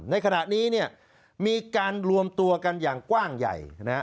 ในขณะนี้มีการรวมตัวกันอย่างกว้างใหญ่